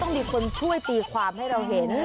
มีคนช่วยตีความให้เราเห็น